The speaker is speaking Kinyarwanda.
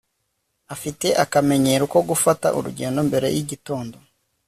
afite akamenyero ko gufata urugendo mbere yigitondo